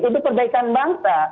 untuk perbaikan bangsa